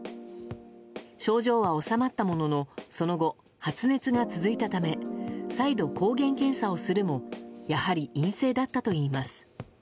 症状は治まったもののその後、発熱が続いたため再度、抗原検査をするもやはり陰性だったといいます。